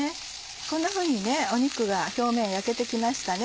こんなふうに肉が表面焼けて来ましたね。